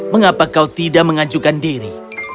mengapa kau tidak mengajukan diri